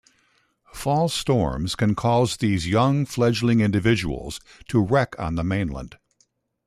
Fall storms can cause these young fledging individuals to wreck on the mainland.